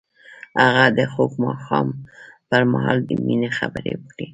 هغه د خوږ ماښام پر مهال د مینې خبرې وکړې.